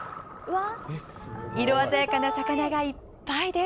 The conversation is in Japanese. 色鮮やかな魚がいっぱいです！